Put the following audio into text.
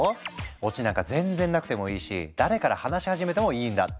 オチなんか全然なくてもいいし誰から話し始めてもいいんだって。